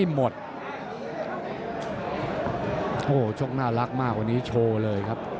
โอ้โหชกน่ารักมากวันนี้โชว์เลยครับ